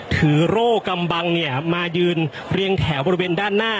โร่กำบังเนี่ยมายืนเรียงแถวบริเวณด้านหน้า